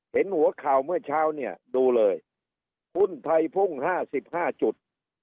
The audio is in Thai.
เห็นหัวข่าวเมื่อเช้าเนี่ยดูเลยหุ้นไทยพุ่ง๕๕จุด